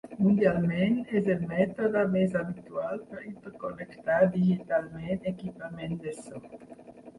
Mundialment, és el mètode més habitual per interconnectar digitalment equipament de so.